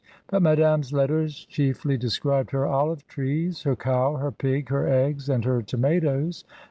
But Madame's letters chiefly c^: scribed her olive trees, her cow, her pig, her eggi and her tomatos.